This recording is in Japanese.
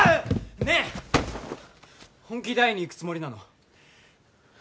ねえっ本気で会いに行くつもりなの？